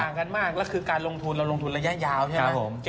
ไม่ต่างกันมากแล้วก็คือการลงทุนเราลงทุนระยะยาวใช่ไหม